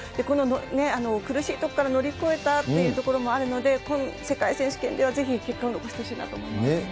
この苦しいとこから乗り越えたというところもあるので、世界選手権ではぜひ結果を残してほしいなと思います。